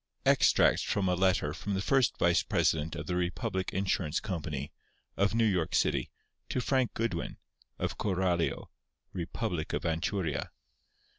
_Extracts from a letter from the first vice president of the Republic Insurance Company, of New York City, to Frank Goodwin, of Coralio, Republic of Anchuria.